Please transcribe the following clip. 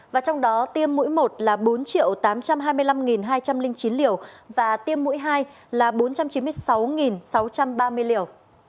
và trong đó tiêm mũi một là bốn tám trăm hai mươi năm hai trăm linh chín liều và tiêm mũi hai là bốn trăm chín mươi sáu sáu trăm ba mươi liều